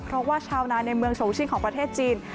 เพราะว่าชาวนาในเมืองโชชิงของประเทศจีน